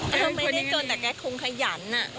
ถ้าไม่ได้จนแต่แกคงขยัน